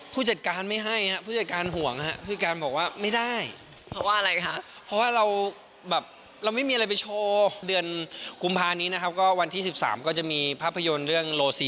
ผู้จัดการไม่ให้ครับผู้จัดการห่วงครับผู้จัดการบอกว่าไม่ได้